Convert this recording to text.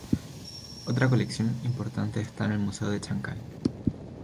Otra colección importante está en el Museo de Chancay.